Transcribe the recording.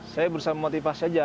saya berusaha memotivasi aja